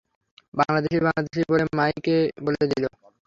বাংলাদেশি, বাংলাদেশি বলে মাইকে বলে দিল।